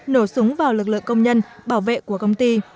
nổ súng vào lực lượng công nhân bảo vệ của công ty